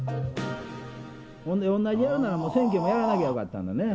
ほんで同じやるなら、選挙もやらんかったらよかったんやね。